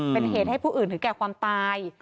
เป็นเหตุให้ผู้อื่นถึงแก่ความตาย